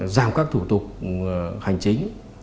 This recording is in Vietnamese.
giảm các thủ tục hành chính